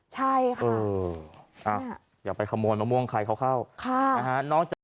ใช่ค่ะอย่าไปขโมงมาม่วงใครเข้าค่ะน้อง